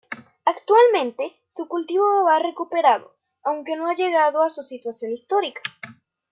Actualmente su cultivo va recuperando, aunque no ha llegado a su situación histórica.